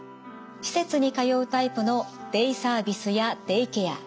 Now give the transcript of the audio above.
施設に通うタイプのデイサービスやデイケア。